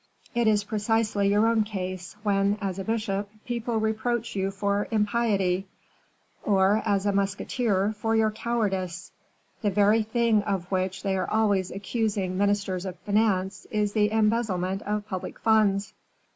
It is precisely your own case, when, as a bishop, people reproach you for impiety; or, as a musketeer, for your cowardice; the very thing of which they are always accusing ministers of finance is the embezzlement of public funds."